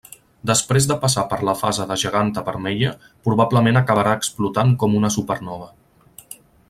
Després de passar per la fase de geganta vermella probablement acabarà explotant com una supernova.